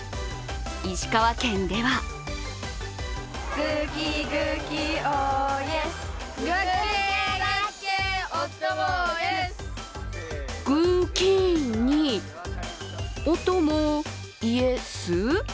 石川県ではグーキーにオトモーイエス？